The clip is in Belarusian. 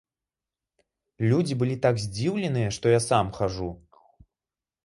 Людзі былі так здзіўленыя, што я сам хаджу!